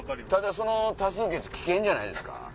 ただその多数決危険じゃないですか？